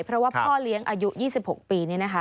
เพราะว่าพ่อเลี้ยงอายุ๒๖ปี